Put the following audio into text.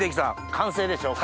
完成でしょうか？